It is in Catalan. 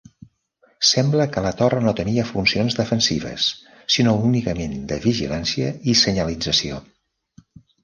Sembla que la torre no tenia funcions defensives sinó únicament de vigilància i senyalització.